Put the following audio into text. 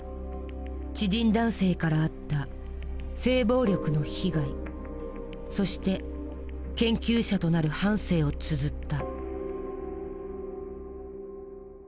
知人男性から遭った性暴力の被害そして研究者となる半生をつづった。